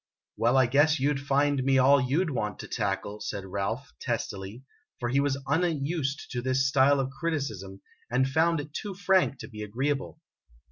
"Well, I guess you 'd find me all you 'd want to tackle!" said Ralph, testily, for he was unused to this style of criticism, and found it too frank to be agreeable.